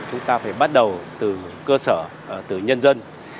chúng ta phải bắt đầu từ cơ sở từ nhân dân